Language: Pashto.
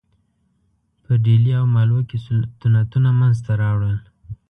په ډهلي او مالوه کې سلطنتونه منځته راوړل.